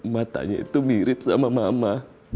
matanya itu mirip sama mama